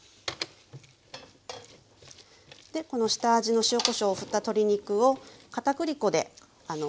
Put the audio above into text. でこの下味の塩こしょうをふった鶏肉をかたくり粉でまぶしていきます。